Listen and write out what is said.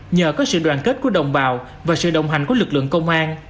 nhờ có sự đoàn kết của đồng bào và sự đồng hành của lực lượng công an